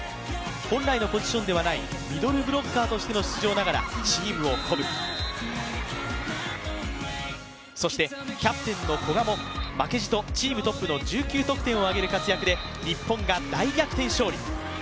本来のポジションではないミドルブロッカーとしての出場ながらチームを鼓舞、そしてキャプテンの古賀も負けじとチームトップの１９得点を挙げる活躍で日本が大逆転勝利。